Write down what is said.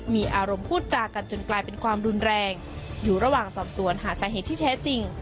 มีอารมณ์พูดจากันจนกลายเป็นความรุนแรงอยู่ระหว่างสอบสวนหาสาเหตุที่แท้จริง